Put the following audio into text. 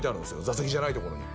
座席じゃないところに